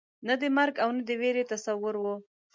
نه د مرګ او نه د وېرې تصور وو.